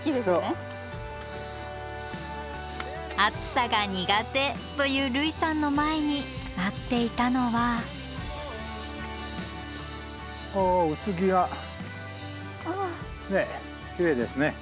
暑さが苦手という類さんの前に待っていたのは訪れた５月下旬。